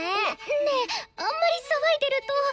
ねえあんまり騒いでると。